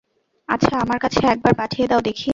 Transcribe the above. আচ্ছা, আমার কাছে একবার পাঠিয়ে দাও– দেখি!